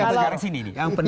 itu dari sini nih